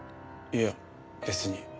いや別に。